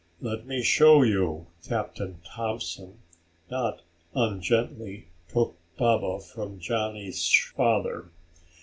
"Let me show you." Captain Thompson, not ungently, took Baba from Johnny's father.